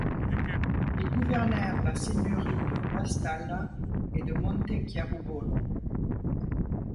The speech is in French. Ils gouvernèrent la seigneurie de Guastalla et de Montechiarugolo.